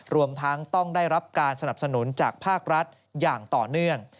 รวมทั้งต้องได้รับการสนับสนุนจากภาครัฐอย่างต่อเนื่อง